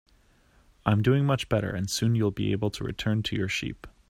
I'm doing much better, and soon you'll be able to return to your sheep.